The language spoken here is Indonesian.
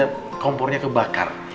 tadi kompornya kebakar